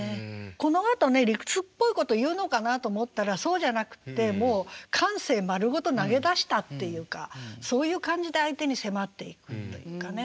このあとね理屈っぽいこと言うのかなと思ったらそうじゃなくてもう感性丸ごと投げ出したっていうかそういう感じで相手に迫っていくというかね。